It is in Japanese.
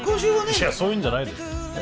いやそういうんじゃないでしょ。え？